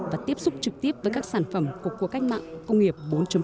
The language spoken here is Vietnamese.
và tiếp xúc trực tiếp với các sản phẩm của cuộc cách mạng công nghiệp bốn